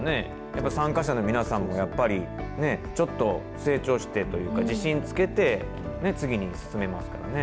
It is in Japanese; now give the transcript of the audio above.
やっぱ参加者の皆さんもやっぱり、ちょっと成長してというか、自信つけて次に進めますからね。